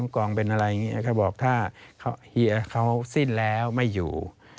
กองเป็นอะไรอย่างนี้เขาบอกถ้าเฮียเขาสิ้นแล้วไม่อยู่